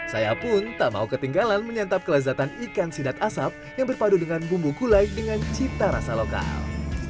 saya pun tak mau ketinggalan menyantap kelezatan ikan sidat asap yang berpadu dengan bumbu gulai dengan cita rasa lokal